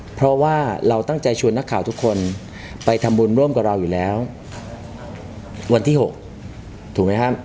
เพราะว่าเราตั้งใจชวนนักข่าวทุกคนไปทำบุญร่วมกับเราอยู่แล้ววันที่๖ถูกไหมครับ